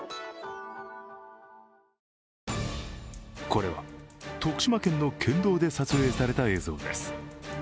これは徳島県の県道で撮影された映像です。